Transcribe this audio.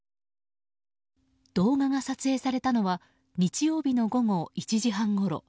動画が撮影されたのは日曜日の午後１時半ごろ。